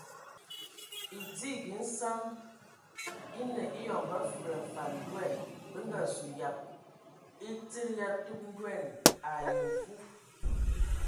Edigi nsan enə eyɔŋ ba fudi afan ndoan bə nga zu yab e tsid ya tub ndoan ai mvu.